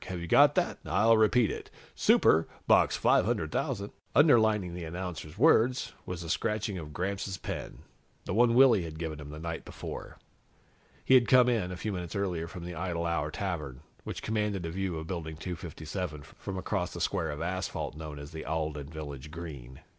Have you got that? I'll repeat it. 'Super,' Box 500,000 ..." Underlining the announcer's words was the scratching of Gramps' pen, the one Willy had given him the night before. He had come in, a few minutes earlier, from the Idle Hour Tavern, which commanded a view of Building 257 from across the square of asphalt known as the Alden Village Green.